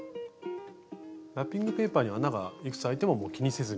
ラッピングペーパーに穴がいくつあいてももう気にせずに？